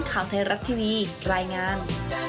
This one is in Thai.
ข่าวไทยรัฐทีวีรายงาน